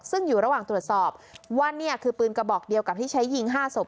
ซึ่งอยู่ระหว่างตรวจสอบว่านี่คือปืนกระบอกเดียวกับที่ใช้ยิง๕ศพ